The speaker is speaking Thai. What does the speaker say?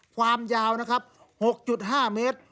ความยาวนะครับ๖๕เมตร